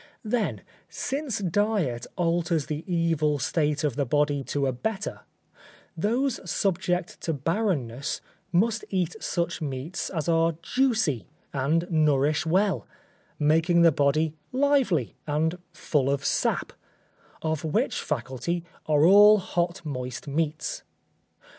Then, since diet alters the evil state of the body to a better, those subject to barrenness must eat such meats as are juicy and nourish well, making the body lively and full of sap; of which faculty are all hot moist meats.